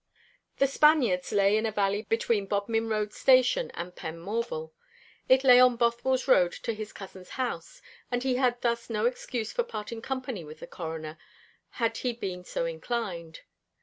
The Spaniards lay in a valley between Bodmin Road station and Penmorval. It lay on Bothwell's road to his cousin's house, and he had thus no excuse for parting company with the Coroner, had he been so inclined.